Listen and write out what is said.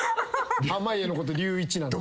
濱家のこと「隆一」なんて。